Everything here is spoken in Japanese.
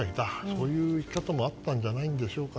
そういうやり方もあったんじゃないでしょうか。